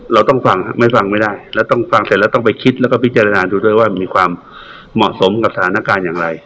เราต้องฟังครับไม่ฟังไม่ได้แล้วต้องฟังเสร็จแล้วต้องไปคิดแล้วก็พิจารณาดูด้วยว่ามีความเหมาะสมกับสถานการณ์อย่างไร